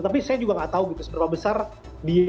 tapi saya juga nggak tahu gitu seberapa besar dia